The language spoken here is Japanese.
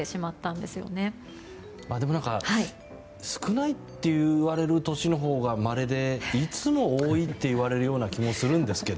でも、少ないといわれる年のほうがまれでいつも多いといわれる気もするんですけど。